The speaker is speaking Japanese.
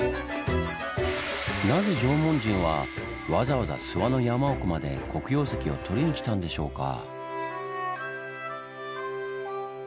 なぜ縄文人はわざわざ諏訪の山奥まで黒曜石をとりに来たんでしょうか？